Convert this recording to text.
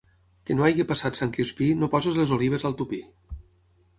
Que no hagi passat Sant Crispí, no posis les olives al tupí.